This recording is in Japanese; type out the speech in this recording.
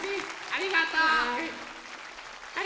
ありがとね！